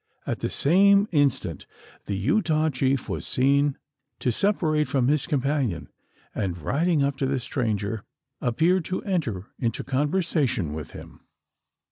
At the same instant, the Utah chief was seen to separate from his companion; and riding up to the stranger, appeared to enter into conversation with him.